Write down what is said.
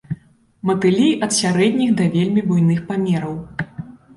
Матылі ад сярэдніх да вельмі буйных памераў.